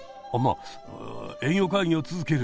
あ営業会議を続ける。